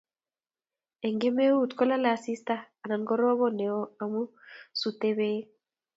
Eng kemeut kolalei asista anan ko korobon neo amu sutei Bek